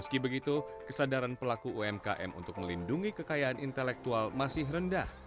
meski begitu kesadaran pelaku umkm untuk melindungi kekayaan intelektual masih rendah